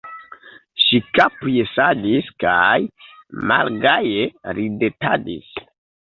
Ŝi kapjesadis kaj malgaje ridetadis.